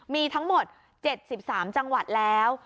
มีทั้งหมดเจ็ดสิบสามจังหวัดแล้ว